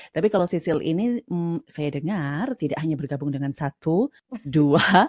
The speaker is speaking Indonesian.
tapi kalau sisil ini saya dengar tidak hanya bergabung dengan satu dua